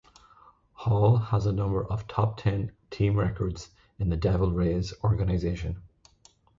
Hall has a number of top ten team records in the Devil Rays' organization.